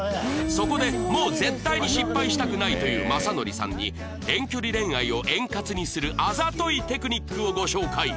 そこでもう絶対に失敗したくないという雅紀さんに遠距離恋愛を円滑にするあざといテクニックをご紹介